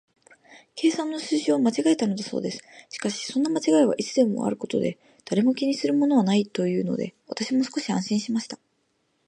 計算の数字を間違えたのだそうです。しかし、そんな間違いはいつもあることで、誰も気にするものはないというので、私も少し安心しました。